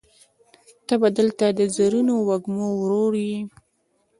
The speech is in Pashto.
ته به دلته د زرینو وږمو ورور یې